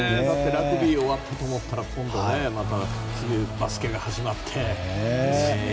ラグビー終わったと思ったら今度はね、また次バスケが始まって。